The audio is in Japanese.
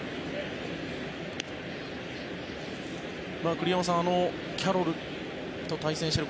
栗山さんキャロルと対戦している